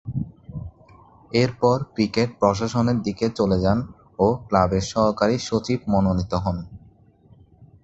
এরপর ক্রিকেট প্রশাসনের দিকে চলে যান ও ক্লাবের সহকারী সচিব মনোনীত হন।